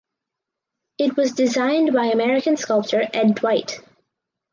It was designed by American sculptor Ed Dwight.